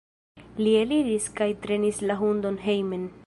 Li eliris kaj trenis la hundon hejmen.